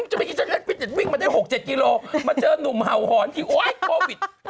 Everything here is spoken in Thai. จะไม่คิดว่าวิ่งมาได้๖๗กิโลกรัมมาเจอนุ่มเห่าหอนอีกโอ๊ยโควิด